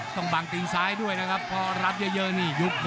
ต้องบังตีนซ้ายด้วยนะครับพอรับเยอะนี่ยุบ